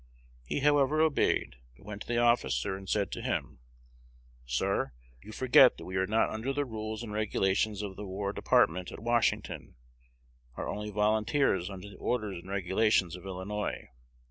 He, however, obeyed, but went to the officer and said to him, 'Sir, you forget that we are not under the rules and regulations of the War Department at Washington; are only volunteers under the orders and regulations of Illinois.